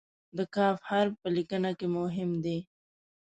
د "ک" حرف په لیکنه کې مهم دی.